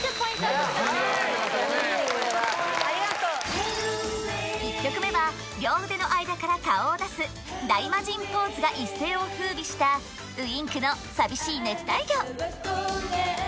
獲得ムズいこれはありがとう１曲目は両腕の間から顔を出す大魔神ポーズが一世を風靡したＷｉｎｋの「淋しい熱帯魚」